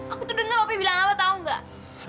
aku tuh denger opi bilang apa tau gak